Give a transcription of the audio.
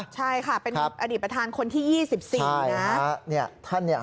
ใช่ค่ะเป็นอดีตประธานคนที่ยี่สิบสี่นะใช่ค่ะเนี้ยท่านเนี้ย